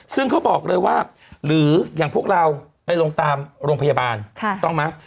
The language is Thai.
ซึ่งเขาบอกเลยว่าหรืออย่างพวกเราไปลงตามโรงพยาบาลต้องไหม